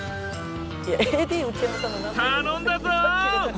頼んだぞ！